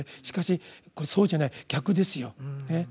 しかしこれそうじゃない逆ですよ。